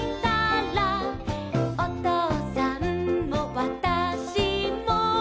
「おとうさんもわたしも」